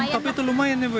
tapi itu lumayan ya pak ya